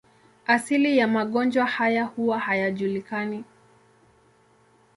Asili ya magonjwa haya huwa hayajulikani.